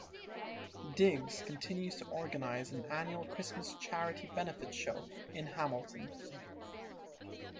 Digs continues to organize an annual Christmas charity benefit show in Hamilton.